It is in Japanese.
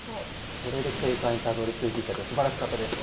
それで正解にたどりついていったってすばらしかったです。